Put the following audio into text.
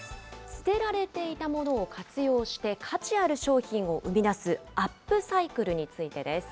捨てられていたものを活用して、価値ある商品を生み出すアップサイクルについてです。